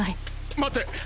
待て！